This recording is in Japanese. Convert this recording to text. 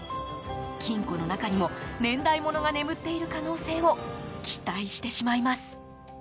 金庫の中にも年代ものが眠っている可能性を期待してしまいます。